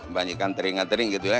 banyak yang teringat tering gitu ya